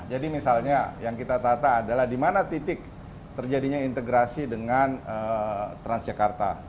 jadi misalnya yang kita tata adalah di mana titik terjadinya integrasi dengan transjakarta